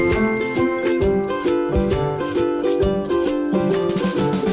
โปรดติดตามตอนต่อไป